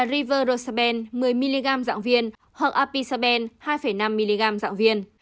river rosabelle một mươi mg dạng viên hoặc apisabelle hai năm mg dạng viên